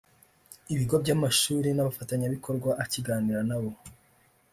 ibigo by’amashuri n’abafatanyabikorwa akiganira na bo